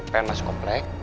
pengen masuk komplek